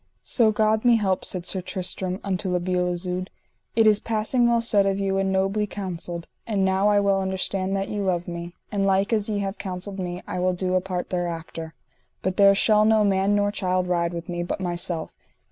So God me help, said Sir Tristram unto La Beale Isoud, it is passing well said of you and nobly counselled; and now I well understand that ye love me; and like as ye have counselled me I will do a part thereafter. But there shall no man nor child ride with me, but myself.